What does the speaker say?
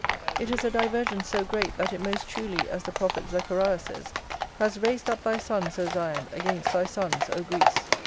It is a divergence so great that it most truly, as the prophet Zechariah says, "has raised up thy sons, O Zion, against thy sons, O Greece!"